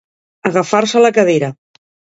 Agafar-se a la cadira.